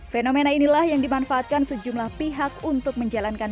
fenomena inilah yang dimanfaatkan sejumlah pihak untuk menjalankan